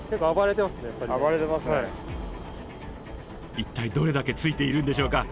一体どれだけついているんでしょうか？